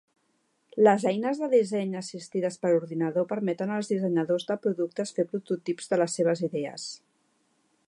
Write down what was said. Les eines de disseny assistides per ordinador permeten als dissenyadors de productes fer prototips de les seves idees.